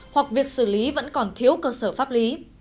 hoặc việc xử lý vẫn còn thiếu cơ sở pháp lý